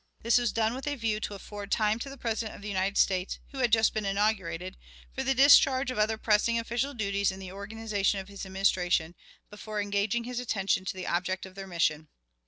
This was done with a view to afford time to the President of the United States, who had just been inaugurated, for the discharge of other pressing official duties in the organization of his Administration, before engaging his attention to the object of their mission.